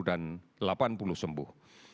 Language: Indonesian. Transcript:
dan delapan puluh sembuh